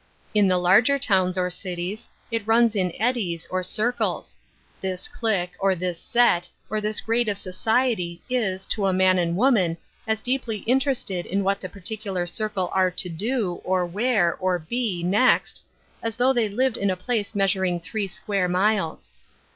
In the larger towns or cities, it runs in eddies, or circles. This clique, or this set, or this grade of society, is, to a man and woman, as deeply interested in what the particular circle are to do^ or wear^ or he^ next, as though they lived in a place measuring three square miles.